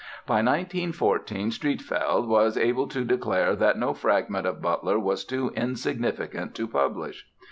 By 1914 Streatfeild was able to declare that no fragment of Butler's was too insignificant to publish.